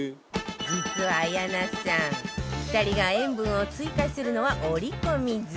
実は綾菜さん２人が塩分を追加するのは織り込み済み